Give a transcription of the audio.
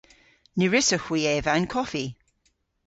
Ny wrussowgh hwi eva an koffi.